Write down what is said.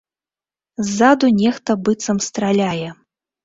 Ззаду нехта быццам страляе.